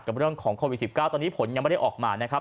เรื่องของโควิด๑๙ตอนนี้ผลยังไม่ได้ออกมานะครับ